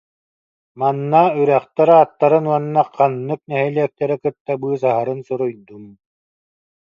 Манна үрэхтэр ааттарын уонна ханнык нэһилиэктэри кытта быысаһарын суруйдум: